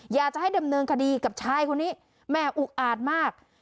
อยากจะให้ดำเนินคดีกับชายคนนี้แม่อุกอาดมาก